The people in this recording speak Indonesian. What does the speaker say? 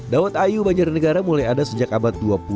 dawat ayu banjarnegara mulai ada sejak abad dua puluh